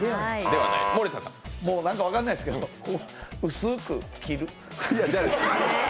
何か分かんないですけど、薄く切る？